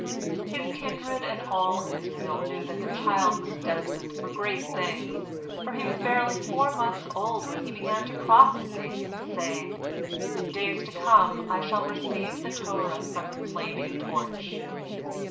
His kindred and all Israel knew that the child was destined for great things, for he was barely four months old when he began to prophesy, saying, "In days to come I shall receive the Torah from the flaming torch."